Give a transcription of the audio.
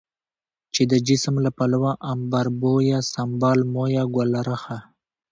چې د جسم له پلوه عنبربويه، سنبل مويه، ګلرخه،